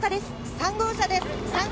３号車です。